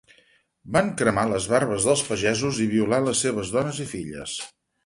Van cremar les barbes dels pagesos i violar les seves dones i filles.